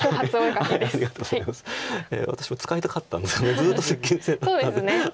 私も使いたかったんですけどずっと接近戦だったんで。